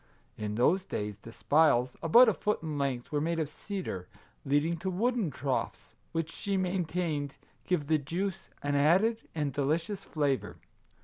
In those days the spiles, about a foot in length, were made of cedar, leading to wooden troughs, — which, she main tained, gave the juice an added and delicious flavour.